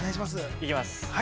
行きます！